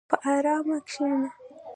په ارام کښېنه.